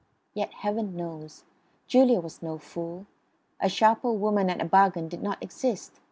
Yet, Heaven knows, Julia was no fool. A sharper woman at a bargain did not exist.